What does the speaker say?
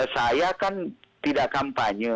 saya kan tidak kampanye